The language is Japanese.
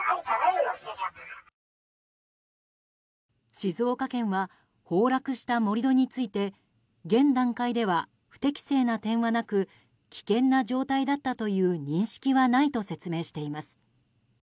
静岡県は崩落した盛り土について現段階では、不適正な点はなく危険な状態だったという認識はないと説明しています。